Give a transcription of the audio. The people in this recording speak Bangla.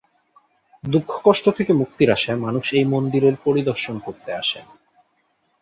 দুঃখ-কষ্ট থেকে মুক্তির আশায় মানুষ এই মন্দিরের পরিদর্শন করতে আসেন।